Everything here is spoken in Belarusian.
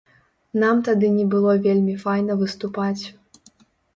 Нам тады было не вельмі файна выступаць.